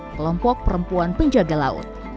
kelompok perempuan penjaga laut